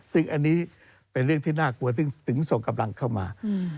ซึ่งอันนี้เป็นเรื่องที่น่ากลัวถึงส่งกำลังเข้ามา